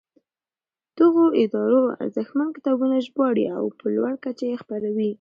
دغو ادارو ارزښتمن کتابونه ژباړي او په لوړه کچه یې خپروي.